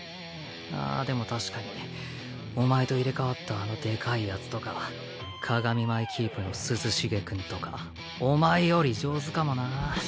ああでも確かにお前と入れ代わったあのでかいヤツとか鏡前キープの涼しげ君とかお前より上手かもな。